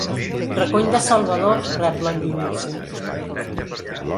Recony de Salvador! –rebla el Lluís–.